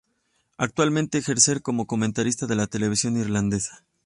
Actualmente ejerce como comentarista de la televisión irlandesa.